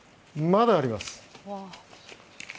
まだあります。